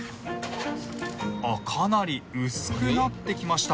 あっかなり薄くなってきました。